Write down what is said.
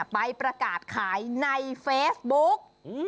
ไปประกาศขายในเฟซบุ๊ก